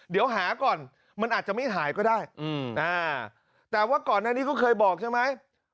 เดี๋ยวหาก่อนมันอาจจะไม่หายก็ได้แต่ว่าก่อนหน้านี้ก็เคยบอกใช่ไหม